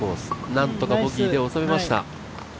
なんとかボギーでおさめました。